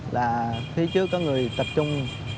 là phía trước có người tập trung